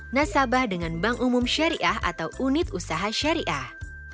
nasabah dengan bank umum syariah atau unit usaha syariah